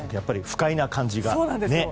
不快な感じがね。